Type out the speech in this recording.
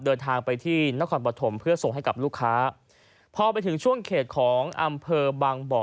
เดินทางไปที่นครปฐมเพื่อส่งให้กับลูกค้าพอไปถึงช่วงเขตของอำเภอบางบ่อ